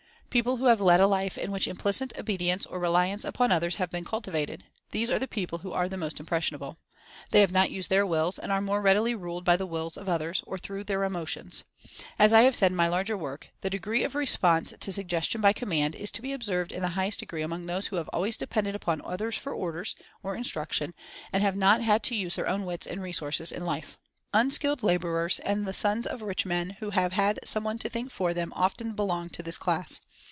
People who have led a life in which implicit obedience, or reliance, upon others, have been cultivated — these are the people who are most impressionable. They have not used their Wills, and are more readily ruled by the Wills of others, or through their Emotions. As I have said in my larger work: "The degree of response to Sug gestion by Command is to be observed in the highest 1 / degree among those who have always depended upon others for orders, or instruction, and have not had to use their own wits and resources in life. Un skilled laborers, and the sons of rich men who have had some one to think for them, often belong to this class.